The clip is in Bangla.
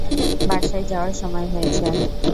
বাসায় যাওয়ার সময় হয়েছে।